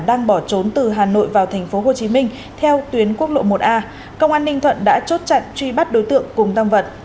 đang bỏ trốn từ hà nội vào thành phố hồ chí minh theo tuyến quốc lộ một a công an ninh thuận đã chốt chặn truy bắt đối tượng cùng tăng vật